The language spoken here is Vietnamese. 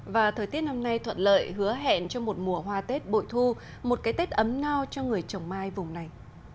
và thời tiết năm nay thuận lợi hứa hẹn cho một mùa hoa tết bội thu một cái tết ấm no cho người trồng mai vùng này